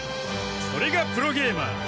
それがプロゲーマー。